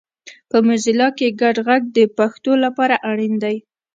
په موزیلا کې ګډ غږ د پښتو لپاره اړین دی